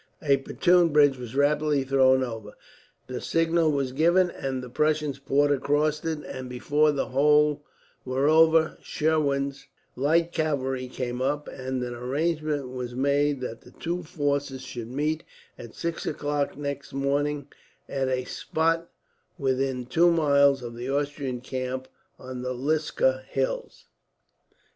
A pontoon bridge was rapidly thrown over, the signal was given, and the Prussians poured across it; and before the whole were over Schwerin's light cavalry came up, and an arrangement was made that the two forces should meet, at six o'clock next morning, at a spot within two miles of the Austrian camp on the Lisca hills.